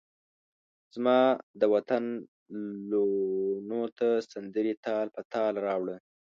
زمادوطن لوڼوته سندرې تال په تال راوړه